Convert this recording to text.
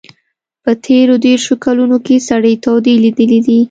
په تېرو دېرشو کلونو کې سړې تودې لیدلي دي.